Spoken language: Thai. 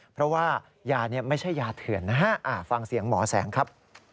เพราะว่ายานี้ไม่ใช่ยาเถื่อนนะฮะฟังเสียงหมอแสงครับ